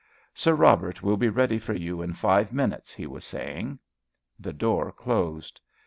"Sir Robert will be ready for you in five minutes," he was saying. The door closed.